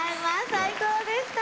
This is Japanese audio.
最高でした。